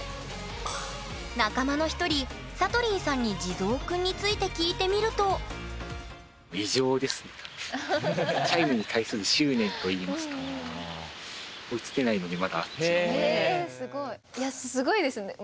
仲間の一人さとりんさんに地蔵くんについて聞いてみるといやすごいですよね。